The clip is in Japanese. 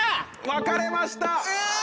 分かれました！